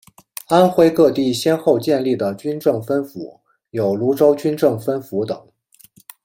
安徽各地先后建立的军政分府有庐州军政分府等。